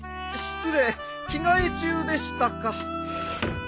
失礼着替え中でしたか。